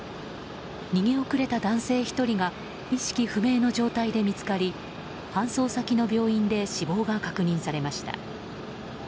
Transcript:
逃げ遅れた男性１人が意識不明の状態で見つかり搬送先の病院で死亡が確認されました。